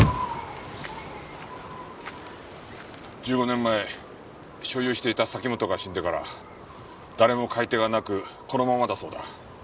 １５年前所有していた崎本が死んでから誰も買い手がなくこのままだそうだ。